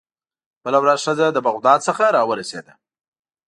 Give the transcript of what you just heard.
بله ورځ ښځه له بغداد څخه راورسېده.